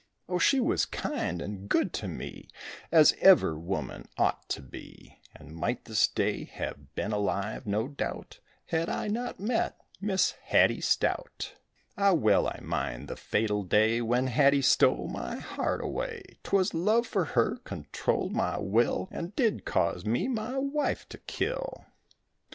Oh, she was kind and good to me As ever woman ought to be, And might this day have been alive no doubt, Had I not met Miss Hatty Stout. Ah, well I mind the fatal day When Hatty stole my heart away; 'Twas love for her controlled my will And did cause me my wife to kill.